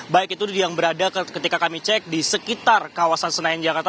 baik itu yang berada ketika kami cek di sekitar kawasan senayan jakarta